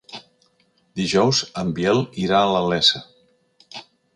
Dijous en Biel irà a la Iessa.